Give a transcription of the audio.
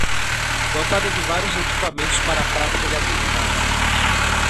Dotada de vários equipamentos para a prática de atividades.